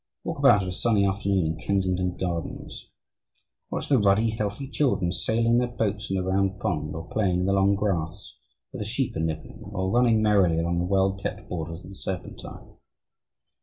Walk about, of a sunny afternoon, in Kensington Gardens. Watch the ruddy, healthy children sailing their boats in the Round Pond, or playing in the long grass where the sheep are nibbling, or running merrily along the well kept borders of the Serpentine.